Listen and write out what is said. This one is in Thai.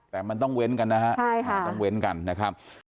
แต่มันต้องเว้นกันนะครับ